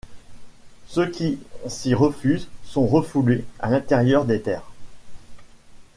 Ceux qui s'y refusent sont refoulés à l'intérieur des terres.